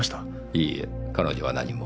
いいえ彼女は何も。